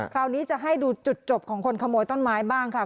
คราวนี้จะให้ดูจุดจบของคนขโมยต้นไม้บ้างค่ะ